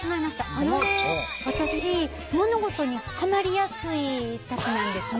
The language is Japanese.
あのね私物事にハマりやすいたちなんですね。